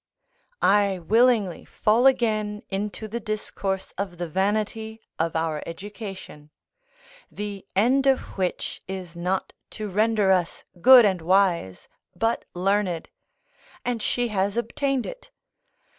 I willingly fall again into the discourse of the vanity of our education, the end of which is not to render us good and wise, but learned, and she has obtained it.